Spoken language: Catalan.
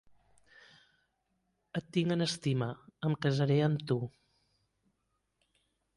Et tinc en estima. Em casaré amb tu.